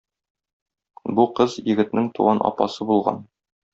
Бу кыз егетнең туган апасы булган.